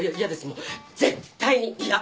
もう絶対に嫌っ！